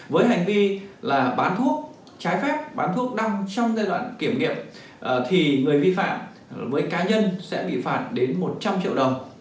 với hành vi là bán thuốc trái phép bán thuốc đăng trong giai đoạn kiểm nghiệm thì người vi phạm với cá nhân sẽ bị phạt đến một trăm linh triệu đồng